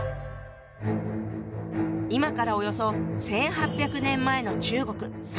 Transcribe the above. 今からおよそ１，８００年前の中国三国時代。